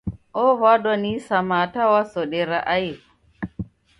Ow'adwa ni isama hata wasodera aighu.